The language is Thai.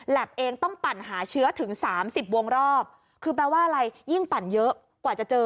เองต้องปั่นหาเชื้อถึงสามสิบวงรอบคือแปลว่าอะไรยิ่งปั่นเยอะกว่าจะเจอ